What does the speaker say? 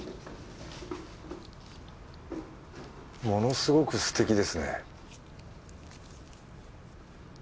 ものすごくすてきですね。